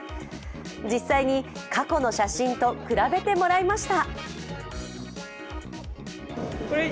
実際に、過去の写真と比べてもらいました。